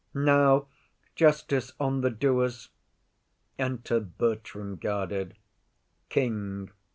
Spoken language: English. Now, justice on the doers! Enter Bertram, guarded. KING.